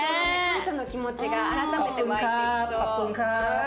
感謝の気持ちが改めて湧いてきそう。